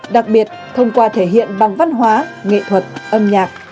đặc biệt thông qua thể hiện bằng văn hóa nghệ thuật âm nhạc